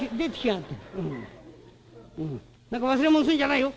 何か忘れ物するんじゃないよ！